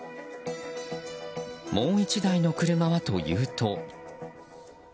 もう１台の車はというと。